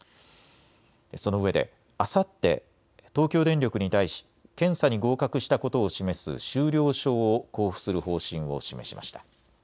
そのうえであさって、東京電力に対し検査に合格したことを示す終了証を交付する方針を示しました。